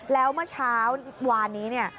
แล้วเมื่อเช้าวานนี้เนี่ย